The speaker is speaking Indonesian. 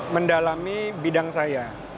mendalami bidang saya